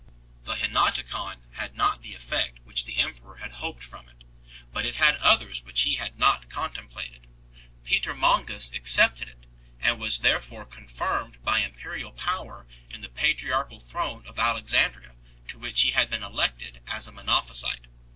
The Henoticon had not the effect which the emperor had hoped from it, but it had others which he had not contemplated. Peter Mongus accepted it, and was there fore confirmed by imperial power in the patriarchal throne of Alexandria to which he had been elected as a Mono physite.